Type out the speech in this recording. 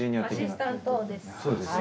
アシスタントです。